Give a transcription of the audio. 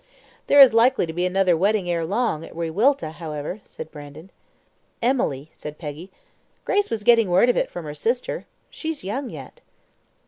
"There is likely to be another wedding ere long, at Wiriwilta, however," said Brandon. "Emily," said Peggy, "Grace was getting word of it from her sister. She's young yet."